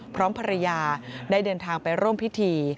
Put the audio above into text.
พร้อมภรรยาได้เดินทางไปร่วมพิธี